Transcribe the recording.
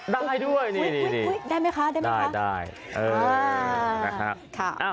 ได้ด้วยนี่ได้ไหมคะได้